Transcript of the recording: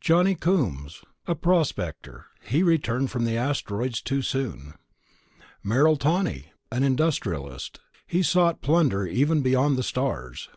Johnny Coombs. A prospector he returned from the asteroids too soon. Merrill Tawney. An industrialist he sought plunder even beyond the stars.